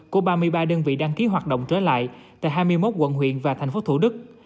của ba mươi ba đơn vị đăng ký hoạt động trở lại tại hai mươi một quận huyện và thành phố thủ đức